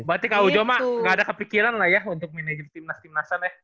berarti ke aogi gak ada kepikiran lah ya untuk manager timnas timnasa nih